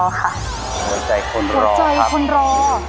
หัวใจคนรอครับ